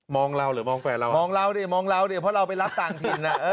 เราหรือมองแฟนเรามองเราดิมองเราเนี่ยเพราะเราไปรับต่างถิ่น